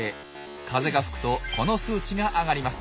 風が吹くとこの数値が上がります。